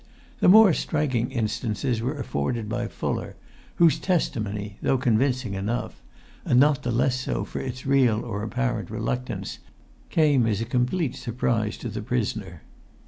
[Pg 157] The more striking instances were afforded by Fuller, whose testimony, though convincing enough, and not the less so for its real or apparent reluctance, came as a complete surprise to the prisoner.